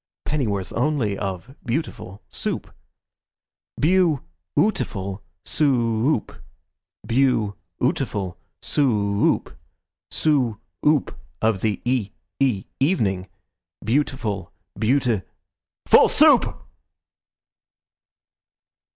Pennyworth only of beautiful Soup? Beau ootiful Soo oop! Beau ootiful Soo oop! Soo oop of the e e evening, Beautiful, beauti FUL SOUP!